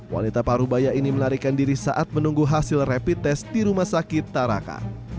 wanita parubaya ini melarikan diri saat menunggu hasil rapid test di rumah sakit taraka